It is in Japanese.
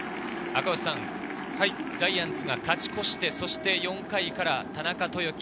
ジャイアンツが勝ち越して、そして４回から田中豊樹。